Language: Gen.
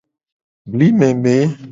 Bli meme.